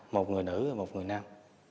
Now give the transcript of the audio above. một người nữ và một người nam